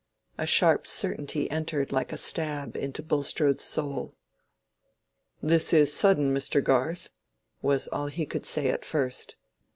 A sharp certainty entered like a stab into Bulstrode's soul. "This is sudden, Mr. Garth," was all he could say at first.